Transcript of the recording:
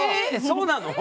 そうなの？